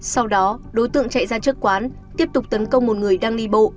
sau đó đối tượng chạy ra trước quán tiếp tục tấn công một người đang đi bộ